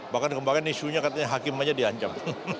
bahkan kemarin isunya katanya hakim aja diancam